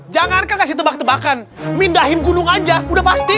jangankan kasih tembak tembakan mindahin gunung aja udah pasti